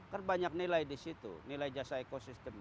kan banyak nilai di situ nilai jasa ekosistem